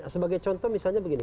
sebagai contoh misalnya begini